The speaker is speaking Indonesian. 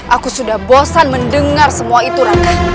aku sudah bosan mendengar semua itu rekan